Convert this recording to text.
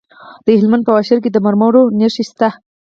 د هلمند په واشیر کې د مرمرو نښې شته.